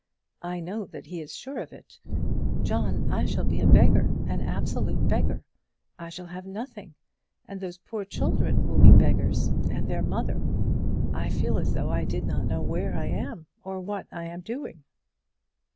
I know that he is sure of it. John, I shall be a beggar, an absolute beggar! I shall have nothing; and those poor children will be beggars, and their mother. I feel as though I did not know where I am, or what I am doing."